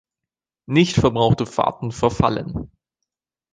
Nicht verbrauchte Fahrten verfallen.